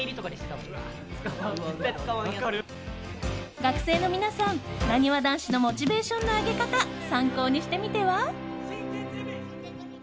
学生の皆さん、なにわ男子のモチベーションの上げ方参考にしてみては。